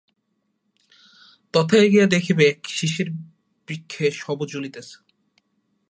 তথায় গিয়া দেখিবে এক শিরীষবৃক্ষে শব ঝুলিতেছে।